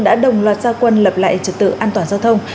đã đồng loạt gia quân lập lại trật tự an toàn giao thông